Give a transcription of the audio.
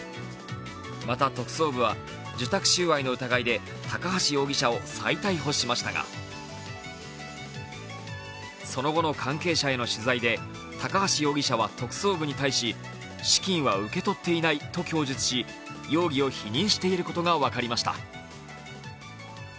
また、特捜部は受託収賄の疑いで高橋容疑者を再逮捕しましたが、その後の関係者への取材で、高橋容疑者は特捜部に対し資金は受け取っていないと供述し、容疑を否認していることが分かりました。